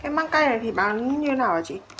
thế ạ cái măng cây này thì bán như thế nào ạ chị